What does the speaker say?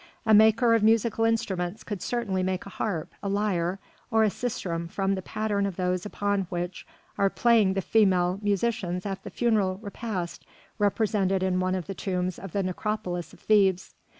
A maker of musical instruments could certainly make a harp, a lyre, or a sistrum from the pattern of those upon which are playing the female musicians at the funeral repast represented in one of the tombs of the necropolis of Thebes.